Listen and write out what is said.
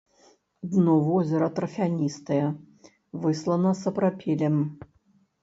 Дно возера тарфяністае, выслана сапрапелем.